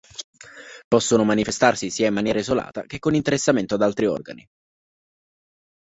Possono manifestarsi sia in maniera isolata che con interessamento ad altri organi.